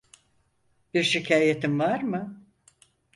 Bir şikayetin var mı?